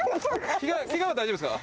けがは大丈夫ですか？